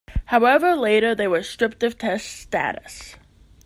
However, later they were stripped of Test status.